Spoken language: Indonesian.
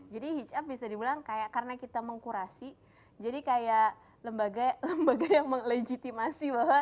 jadi hitchup bisa dibilang kayak karena kita mengkurasi jadi kayak lembaga yang melegitimasi bahwa